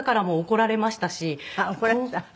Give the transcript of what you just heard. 怒られましたし。